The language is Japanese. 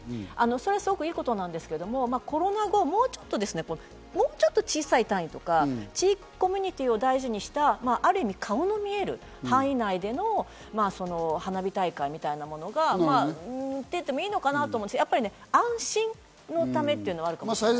それはすごくいいことなんですけど、コロナ後、もうちょっと小さい単位とか、地域コミュニティを大事にした、ある意味、顔の見える範囲内での花火大会みたいなものが、というのがあってもいいのかなと思うし、安心のためというのはあるかもしれない。